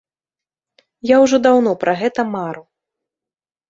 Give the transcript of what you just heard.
Я ўжо даўно пра гэта мару.